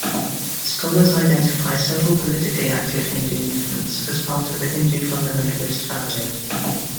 Scholars identify several politically active Hindu movements as part of the Hindu fundamentalist family.